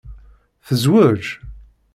Tezweǧ?